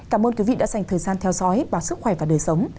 cảm ơn quý vị đã dành thời gian theo dõi bảo sức khỏe và đời sống